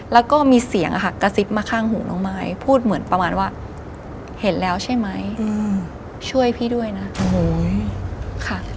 แล้วก็มีเสียงอะค่ะกระซิบมาข้างหูน้องมายพูดเหมือนประมาณว่าเห็นแล้วใช่ไหมช่วยพี่ด้วยนะโอ้โหค่ะ